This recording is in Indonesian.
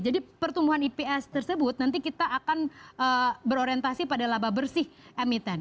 jadi pertumbuhan ips tersebut nanti kita akan berorientasi pada laba bersih emiten